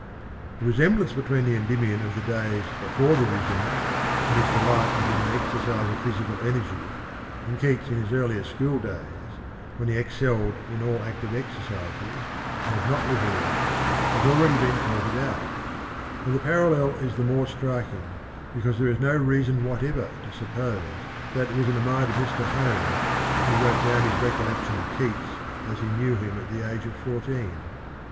The resemblance between the Endymion of the days before the visions, when his delight was in the exercise of physical energy, and Keats in his earlier schooldays when he excelled in all active exercises, and was not literary, has already been pointed out;^ and the parallel is the more striking because there is no reason whatever to suppose that it was in the mind of Mr. Holmes when he wrote down his recollections of Keats as he knew him at the age of fourteen.